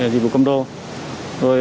dịch vụ công đô